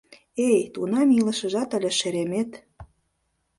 Эй, тунам илышыжат ыле, шеремет!